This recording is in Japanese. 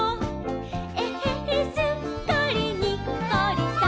「えへへすっかりにっこりさん！」